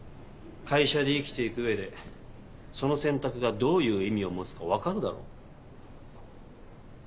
会社で生きて行く上でその選択がどういう意味を持つか分かるだろ？